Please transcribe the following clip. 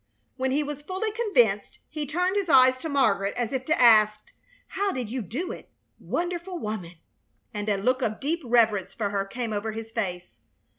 When he was fully convinced he turned his eyes to Margaret, as if to ask: "How did you do it? Wonderful woman!" and a look of deep reverence for her came over his face.